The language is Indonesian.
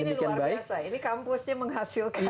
ini luar biasa ini kampusnya menghasilkan